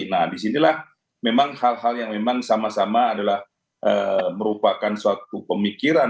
nah disinilah memang hal hal yang memang sama sama adalah merupakan suatu pemikiran